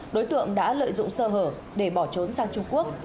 đối tượng đã lợi dụng sơ hở để bỏ trốn sang trung quốc